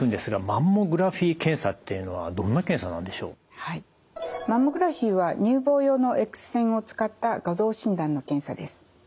マンモグラフィーは乳房用のＸ線を使った画像診断の検査です。